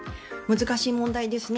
難しい問題ですね。